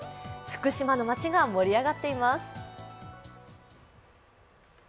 福島の街が盛り上がっています。